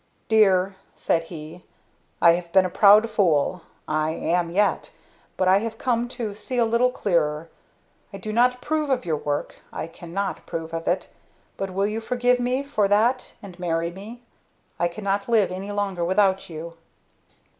"Dear," said he, "I have been a proud fool I am yet but I have come to see a little clearer. I do not approve of your work I cannot approve of it but will you forgive me for that and marry me? I cannot live any longer without you?"